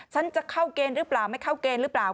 จะเข้าเกณฑ์หรือเปล่าไม่เข้าเกณฑ์หรือเปล่า